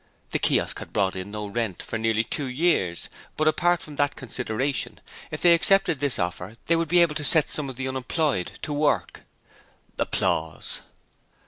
The Kiosk had brought in no rent for nearly two years, but, apart from that consideration, if they accepted this offer they would be able to set some of the unemployed to work.